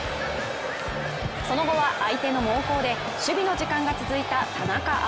その後は相手の猛攻で守備の時間が続いた田中碧。